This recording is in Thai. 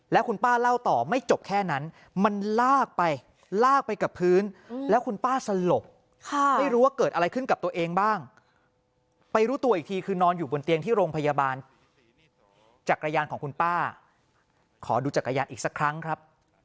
แล้วคุณป้าสลบค่ะไม่รู้ว่าเกิดอะไรขึ้นกับตัวเองบ้างไปรู้ตัวอีกทีคือนอนอยู่บนเตียงที่โรงพยาบาลจักรยานของคุณป้าขอดูจักรยานอีกสักครั้งครับ